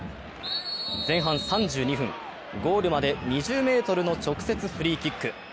前半３２分、ゴールまで２０ｍの直接フリーキック。